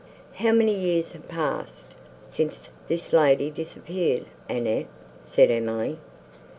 "How many years have passed, since this lady disappeared, Annette?" said Emily.